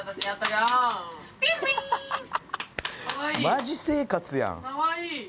マジ生活やん！